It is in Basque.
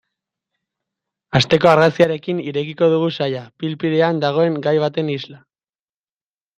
Asteko argazkiarekin irekiko dugu saila, pil-pilean dagoen gai baten isla.